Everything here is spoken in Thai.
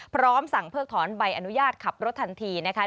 พร้อมสั่งเพิกถอนใบอนุญาตขับรถทันทีนะคะ